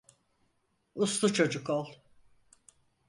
Uslu çocuk ol.